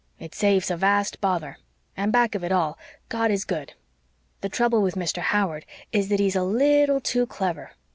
It saves a vast of bother and back of it all, God is good. The trouble with Mr. Howard is that he's a leetle TOO clever.